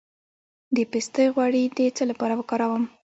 د پسته غوړي د څه لپاره وکاروم؟